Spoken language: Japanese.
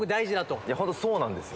「いや本当そうなんですよ」